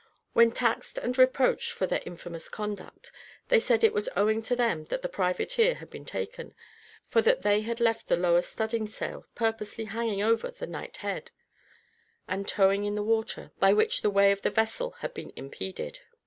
When taxed and reproached for their infamous conduct, they said it was owing to them that the privateer had been taken, for that they had left the lower studding sail purposely hanging over the night head, and towing in the water, by which the way of the vessel had been impeded.